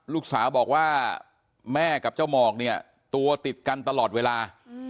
ลูกสาวบอกว่าแม่กับเจ้าหมอกเนี่ยตัวติดกันตลอดเวลา